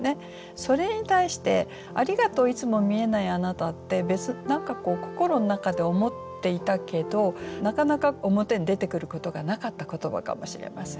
それに対して「ありがとういつも見えないあなた」って何かこう心の中で思っていたけどなかなか表に出てくることがなかった言葉かもしれません。